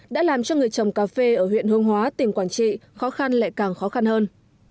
đã làm cho người trồng cà phê ở huyện hương hóa tỉnh quảng trị khó khăn lại càng khó khăn hơn